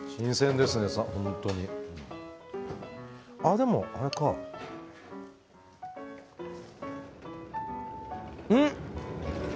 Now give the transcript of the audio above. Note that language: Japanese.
でも、あれかうん！